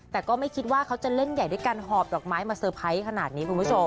แต่ก็ไม่คิดว่าเขาจะเล่นใหญ่ด้วยการหอบดอกไม้มาเซอร์ไพรส์ขนาดนี้คุณผู้ชม